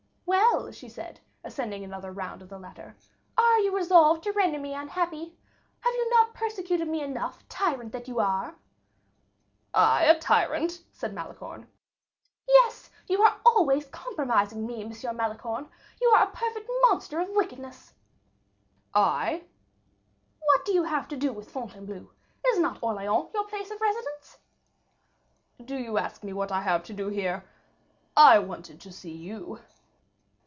"Well," she said, ascending another round of the ladder, "are you resolved to render me unhappy? have you not persecuted me enough, tyrant that you are?" "I a tyrant?" said Malicorne. "Yes, you are always compromising me, Monsieur Malicorne; you are a perfect monster of wickedness." "I?" "What have you to do with Fontainebleau? Is not Orleans your place of residence?" "Do you ask me what I have to do here? I wanted to see you."